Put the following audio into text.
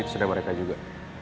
terserah mereka juga